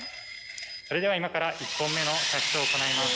それでは今から１本目の射出を行います。